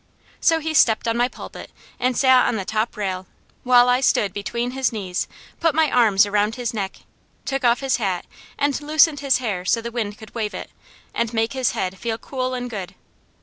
So he stepped on my pulpit and sat on the top rail, while I stood between his knees, put my arms around his neck, took off his hat and loosened his hair so the wind could wave it, and make his head feel cool and good.